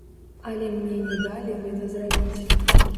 Але мне не далі гэта зрабіць.